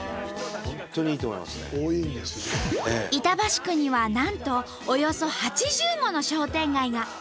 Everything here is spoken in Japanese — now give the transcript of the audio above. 板橋区にはなんとおよそ８０もの商店街が！